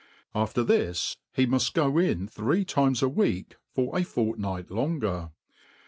After this he muft go in three times a week for a fortnight longer.